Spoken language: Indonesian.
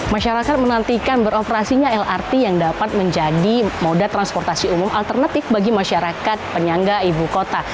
masyarakat menantikan beroperasinya lrt yang dapat menjadi moda transportasi umum alternatif bagi masyarakat penyangga ibu kota